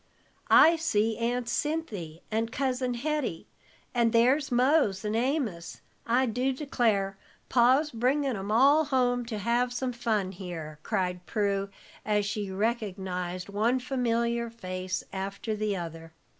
"I see Aunt Cinthy, and Cousin Hetty and there's Mose and Amos. I do declare, Pa's bringin' 'em all home to have some fun here," cried Prue, as she recognized one familiar face after another.